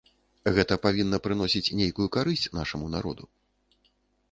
Гэта павінна прыносіць нейкую карысць нашаму народу.